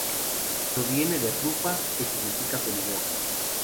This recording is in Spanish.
Proviene de "rufa", que significa 'pelirroja'.